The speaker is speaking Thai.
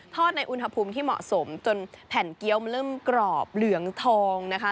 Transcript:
ในอุณหภูมิที่เหมาะสมจนแผ่นเกี้ยวมันเริ่มกรอบเหลืองทองนะคะ